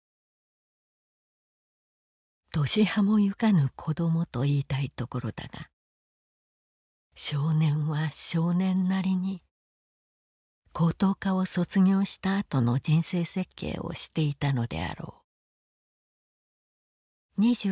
「年端もゆかぬ子供といいたいところだが少年は少年なりに高等科を卒業したあとの人生設計をしていたのであろう」。